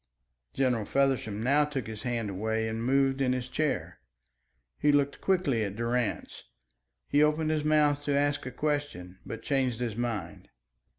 General Feversham now took his hand away and moved in his chair. He looked quickly at Durrance; he opened his mouth to ask a question, but changed his mind.